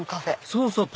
そうそう！